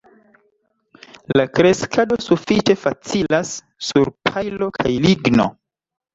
La kreskado sufiĉe facilas sur pajlo kaj ligno.